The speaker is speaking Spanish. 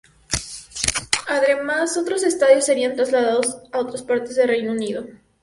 Además, otros estadios serían trasladados a otras partes del Reino Unido.